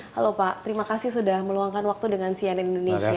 halo pak terima kasih sudah meluangkan waktu dengan cnn indonesia